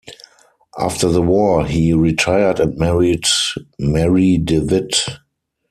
After the war he retired and married Mary De Witt.